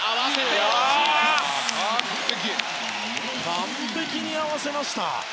完璧に合わせました。